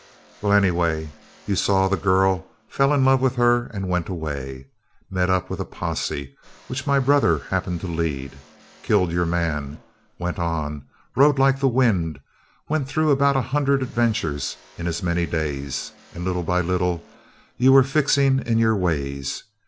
Well, anyway, you saw the girl, fell in love with her, went away. Met up with a posse which my brother happened to lead. Killed your man. Went on. Rode like the wind. Went through about a hundred adventures in as many days. And little by little you were fixing in your ways.